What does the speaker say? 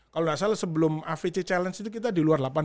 kalau tidak salah sebelum avc challenge itu kita di luar delapan